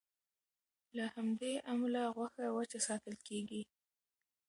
له همدې امله غوښه وچه ساتل کېږي.